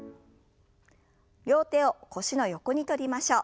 両手を腰の横に取りましょう。